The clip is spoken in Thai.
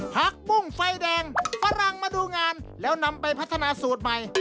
ผักบุ้งไฟแดงฝรั่งมาดูงานแล้วนำไปพัฒนาสูตรใหม่